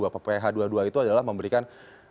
pph dua puluh dua itu adalah memberikan